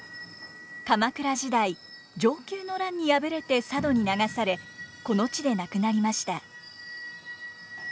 鎌倉時代承久の乱に敗れて佐渡に流されこの地で亡くなりました。